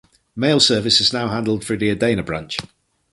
Mail service is now handled through the Adena branch.